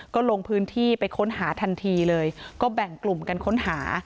ก็ลงพื้นที่ไปค้นหาทันทีเลยก็แบ่งกลุ่มกันค้นหา